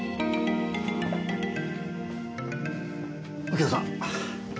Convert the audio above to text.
右京さん。